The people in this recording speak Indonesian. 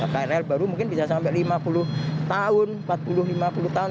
krl baru mungkin bisa sampai lima puluh tahun empat puluh lima puluh tahun